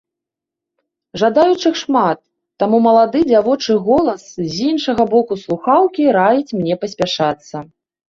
Жадаючых шмат, таму малады дзявочы голас з іншага боку слухаўкі раіць мне паспяшацца.